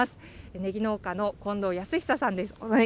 ねぎ農家の近藤泰久さんです。